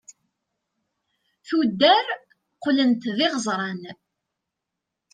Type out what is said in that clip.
tuddar qlent d iɣeẓran